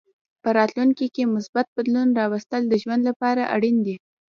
په راتلونکې کې مثبت بدلون راوستل د ژوند لپاره اړین دي.